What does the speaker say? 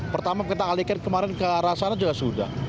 pertama kita alihkan kemarin ke arah sana juga sudah